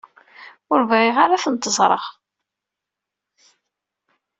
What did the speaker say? Ur bɣiɣ ara ad ten-ẓreɣ.